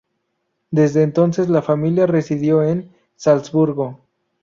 Desde entonces la familia residió en Salzburgo.